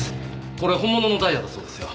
これ本物のダイヤだそうですよ。